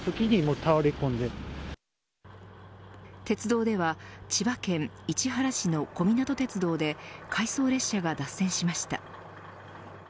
鉄道では千葉県市原市の小湊鉄道で回送列車が脱線しました。